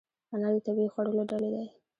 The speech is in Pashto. انار د طبیعي خوړو له ډلې دی.